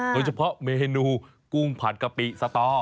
โดยเฉพาะเมนูกุ้งผัดกะปิสตอ